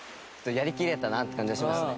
やりきれたなって感じがしますね。